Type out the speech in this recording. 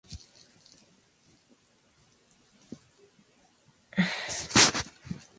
Fue el Obispo fundador de la Diócesis de Barcelona.